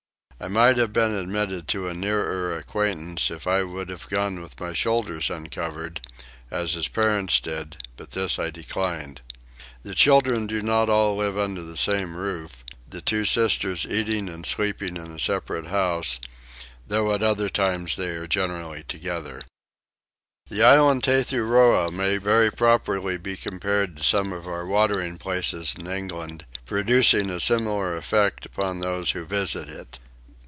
I might have been admitted to a nearer acquaintance if I would have gone with my shoulders uncovered, as his parents did, but this I declined. The children do not all live under the same roof, the two sisters eating and sleeping in a separate house, though at other times they are generally together. The island Tethuroa may very properly be compared to some of our watering places in England, producing a similar effect upon those who visit it.